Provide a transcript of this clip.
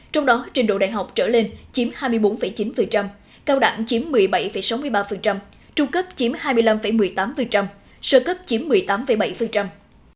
trong đó trình độ đại học trở lên chiếm hai mươi bốn chín cao đẳng chiếm một mươi bảy sáu mươi ba trung cấp chiếm hai mươi năm một mươi tám sơ cấp chiếm một mươi tám bảy